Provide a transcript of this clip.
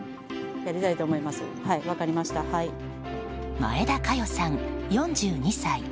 前田佳代さん、４２歳。